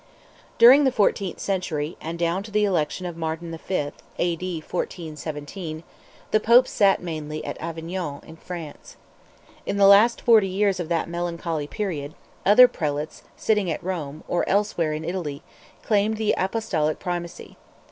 During the fourteenth century, and down to the election of Martin V. (A.D. 1417), the Popes sat mainly at Avignon, in France. In the last forty years of that melancholy period, other Prelates sitting at Rome, or elsewhere in Italy, claimed the Apostolic primacy.